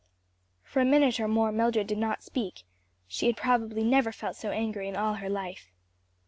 For a minute or more Mildred did not speak; she had probably never felt so angry in all her life.